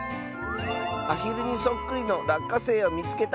「アヒルにそっくりのらっかせいをみつけた！」。